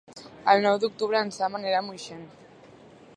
El nou d'octubre en Sam anirà a Moixent.